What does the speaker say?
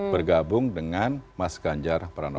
bergabung dengan mas ganjar pranowo